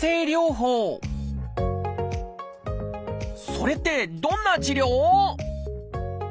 それってどんな治療？